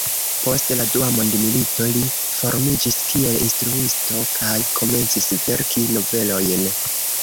Post la dua mondmilito, li formiĝis kiel instruisto kaj komencis verki novelojn.